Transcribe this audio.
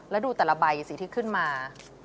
แล้วดูแต่ละใบสิที่ขึ้นมา